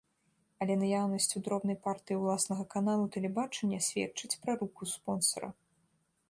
Але наяўнасць у дробнай партыі ўласнага каналу тэлебачання сведчыць пра руку спонсара.